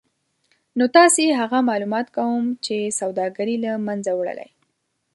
نو تاسې هغه مالومات کوم چې سوداګري له منځه وړلای